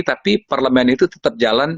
tapi parlemen itu tetap jalan